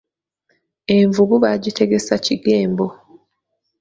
Envubu bagitegesa kigembo.